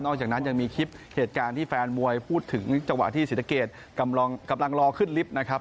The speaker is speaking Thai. จากนั้นยังมีคลิปเหตุการณ์ที่แฟนมวยพูดถึงจังหวะที่ศรีสะเกดกำลังรอขึ้นลิฟต์นะครับ